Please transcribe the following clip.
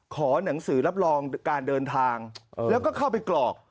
ขอหนังสือรับรองการเดินทางแล้วก็เข้าไปกรอก